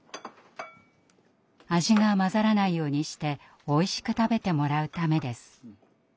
味が混ざらないようにしておいしく食べてもらうためです。